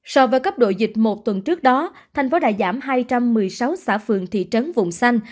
so với cấp độ dịch một tuần trước đó thành phố đã giảm hai trăm một mươi sáu xã phường thị trấn vùng xanh